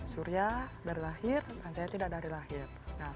surya dari lahir saya tidak dari lahir